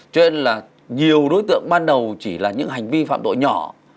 cho nên là nhiều đối tượng ban đầu chỉ là những hành vi phạm tội nhỏ